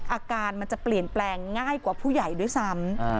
อาการมันจะเปลี่ยนแปลงง่ายกว่าผู้ใหญ่ด้วยซ้ำ